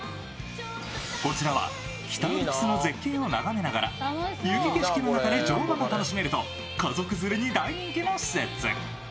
こちらは北アルプスの絶景を眺めながら雪景色の中で乗馬が楽しめると家族連れに大人気の施設。